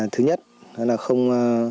thứ nhất là không